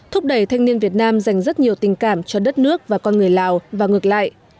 thúc đẩy thanh niên việt nam dành rất nhiều tình cảm cho đất nước và con người lào và ngược lại